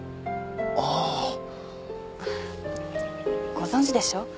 ご存じでしょう？